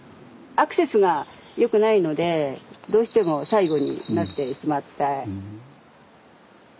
アクセスが良くないのでどうしても最後になってしまって。